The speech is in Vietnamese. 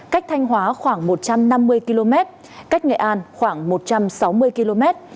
cách thanh hóa khoảng một trăm năm mươi km cách nghệ an khoảng một trăm sáu mươi km